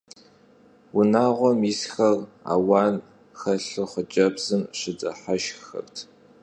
Vunağuem yisxer auan xelhu xhıcebzım şıdıheşşxxert.